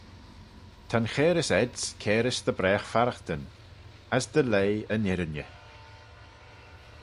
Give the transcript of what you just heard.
Ta'n chairys ayds cairys dy bragh farraghtyn: as dty leigh yn irriney.